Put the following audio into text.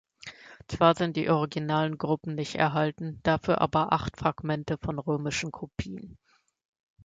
Zwar sind die originalen Gruppen nicht erhalten, dafür aber acht Fragmente von römischen Kopien.